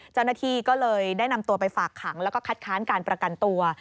เจ้าหน้าที่ก็เลยได้นำตัวไปฝากขังแล้วก็คัดค้านการประกันตัว